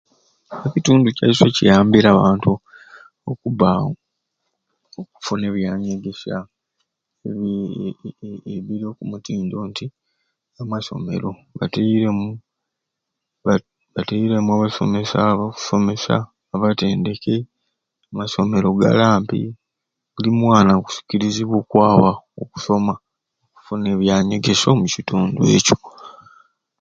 Ekitundu kyaiswe kiyambire abantu okubba okufuna ebyanyegesya ebiri oku mutindo nti amasomero batairemu ba batairemu abasomesa abakusomesya abatendeke, amasomero gali ampi, buli mwana akusikirizibwa okwaba okusoma okufuna byanyegesya omukitundu ekyo.